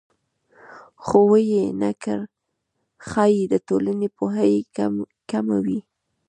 خو ویې نه کړ ښایي د ټولنې پوهه یې کمه وي